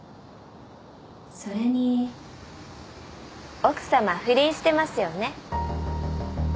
・それに奥さま不倫してますよね？